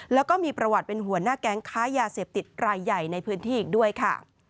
และก็มีประวัติเป็นหัวหน้ากลางขยาเสพติดไร่ใหญ่ในพื้นที่ด้วยค่ะ